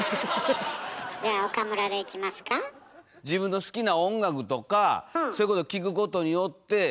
自分の好きな音楽とかそういうこと聴くことによって。